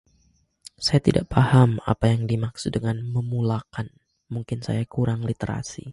Saya tidak faham apa yang dimaksudkan memulakan. Mungkin saya kurang literasi.